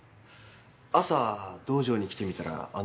朝道場に来てみたらあのような事に？